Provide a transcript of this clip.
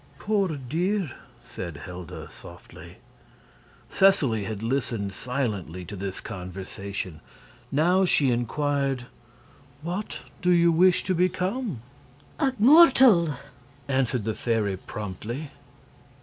"Poor dear!" said Helda, softly. Seseley had listened silently to this conversation. Now she inquired: "What do you wish to become?" "A mortal!" answered the fairy, promptly.